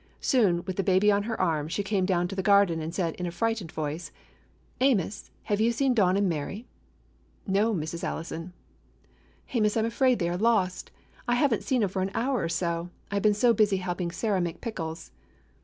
Soon, with the baby on her arm, she came down to the garden and said, in a frightened voice: "Amos, have you seen Don and Mary?" "No, Mrs. Allison." "Amos, I am afraid they are lost. I have n't seen them for an hour or so, I 've been so busy helping Sarah make pickles."